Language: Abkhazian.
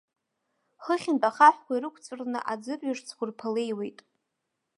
Хыхьынтә ахаҳәқәа ирықәҵәырны аӡырҩаш цәқәырԥа леиуеит.